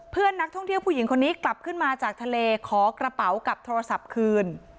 เพื่อนนักท่องเที่ยวผู้หญิงคนนี้กลับขึ้นมาจากทะเลขอกระเป๋ากับโทรศัพท์คืน